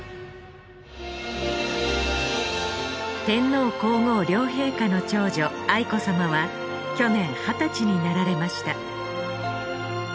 天皇皇后両陛下の長女愛子さまは去年二十歳になられました